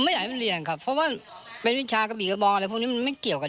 ผมไม่อยากให้เข้าเรียนครับเพราะว่าเป็นวิชากับอิบอร์อะไรพวกนี้ผมไม่เกี่ยวกับเด็กครับมันไม่เกี่ยวอะครับ